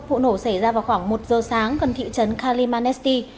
vụ nổ xảy ra vào khoảng một giờ sáng gần thị trấn kalimanesti